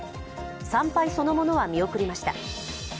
参拝そのものは見送りました。